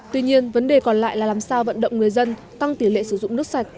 tuy nhiên vấn đề còn lại là làm sao vận động người dân tăng tỷ lệ sử dụng nước sạch